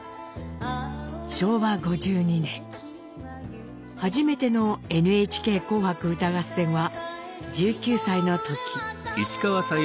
昭和５２年初めての「ＮＨＫ紅白歌合戦」は１９歳の時。